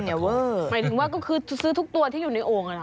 หมายถึงว่าก็คือซื้อทุกตัวที่อยู่ในโอ่ง